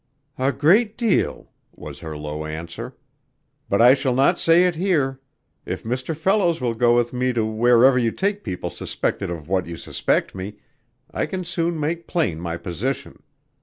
"A great deal," was her low answer. "But I shall not say it here. If Mr. Fellows will go with me to wherever you take people suspected of what you suspect me, I can soon make plain my position.